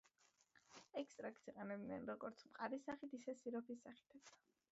ექსტრაქტს იყენებენ როგორც მყარი სახით, ისე სიროფის სახითაც.